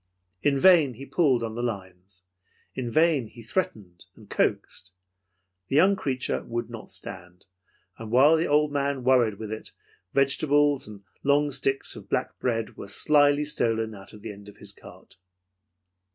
In vain he pulled on the lines. In vain he threatened and coaxed. The young creature would not stand, and while the old man worried with it, vegetables and long sticks of black bread were slyly stolen out of the end of his cart.